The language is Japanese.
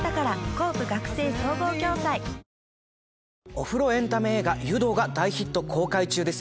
お風呂エンタメ映画『湯道』が大ヒット公開中です。